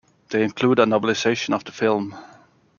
They include a novelization of the film.